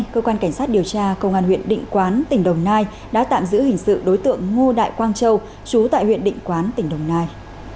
công an huyện định quán tỉnh đồng nai đã tạm giữ hình sự đối tượng ngo đại quang châu chú tại huyện định quán tỉnh đồng nai